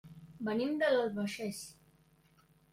Venim de l'Albagés.